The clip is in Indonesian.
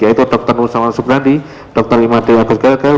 yaitu dr nusawah subrandi dr imadil agus gelgel